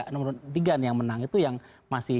nomor tiga nih yang menang itu yang masih